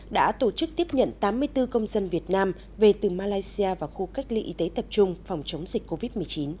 đã tổ chức tiếp nhận tám mươi bốn công dân việt nam về từ malaysia vào khu cách ly y tế tập trung phòng chống dịch covid một mươi chín